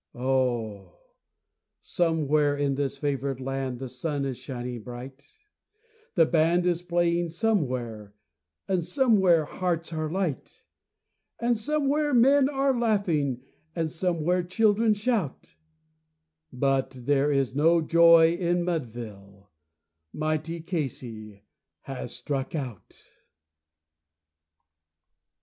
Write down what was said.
Oh, somewhere in this favored land the sun is shining bright; The band is playing somewhere, and somewhere hearts are light; And somewhere men are laughing, and somewhere children shout: But there is no joy in Mudville mighty Casey has struck out.